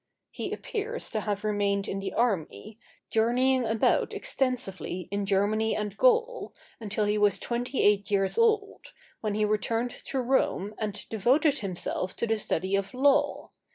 He appears to have remained in the army, journeying about extensively in Germany and Gaul, until he was twenty eight years old, when he returned to Rome and devoted himself to the study of law.